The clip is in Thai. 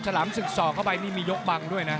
ลามศึกสอกเข้าไปนี่มียกบังด้วยนะ